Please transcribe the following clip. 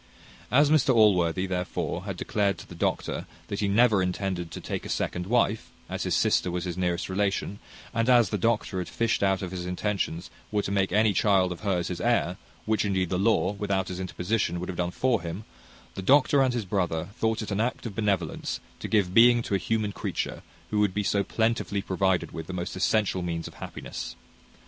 As Mr Allworthy, therefore, had declared to the doctor that he never intended to take a second wife, as his sister was his nearest relation, and as the doctor had fished out that his intentions were to make any child of hers his heir, which indeed the law, without his interposition, would have done for him; the doctor and his brother thought it an act of benevolence to give being to a human creature, who would be so plentifully provided with the most essential means of happiness.